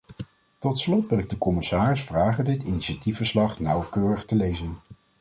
Tot slot wil ik de commissaris vragen dit initiatiefverslag nauwkeurig te lezen.